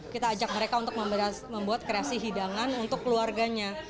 kita ajak mereka untuk membuat kreasi hidangan untuk keluarganya